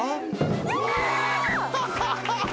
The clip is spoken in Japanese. うわ！